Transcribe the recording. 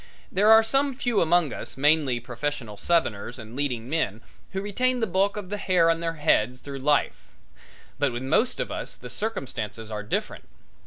There are some few among us, mainly professional Southerners and leading men, who retain the bulk of the hair on their heads through life; but with most of us the circumstances are different.